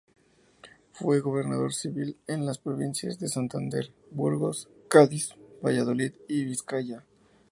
Fue gobernador civil en las provincias de Santander, Burgos, Cádiz, Valladolid y Vizcaya.